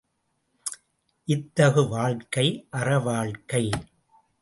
இத்தகு வாழ்க்கை அறவாழ்க்கை.